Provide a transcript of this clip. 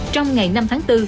trong ngày năm tháng bốn